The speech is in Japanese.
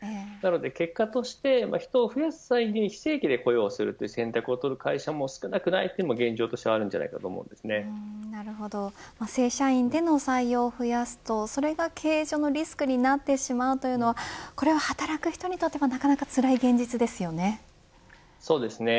結果として人を増やす際に非正規で雇用をする選択を取る会社も少なくないのも現状として正社員での採用を増やすとそれが経営上のリスクになってしまうというのはこれは働く人にとってもなかなかつらい現実ですよね。